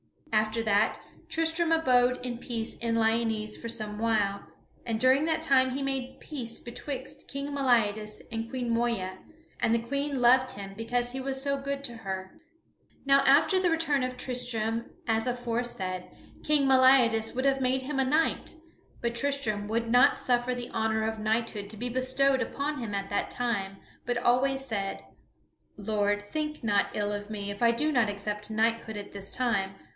After that, Tristram abode in peace in Lyonesse for some while, and during that time he made peace betwixt King Meliadus and Queen Moeya, and the Queen loved him because he was so good to her. [Sidenote: Tristram refuses knighthood] Now after the return of Tristram as aforesaid, King Meliadus would have made him a knight, but Tristram would not suffer the honor of knighthood to be bestowed upon him at that time, but always said: "Lord, think not ill of me if I do not accept knighthood at this time.